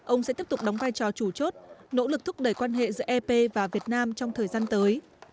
ông sẽ tiếp tục đóng vai trò chủ chốt nỗ lực thúc đẩy quan hệ giữa ep và việt nam trong thời gian tới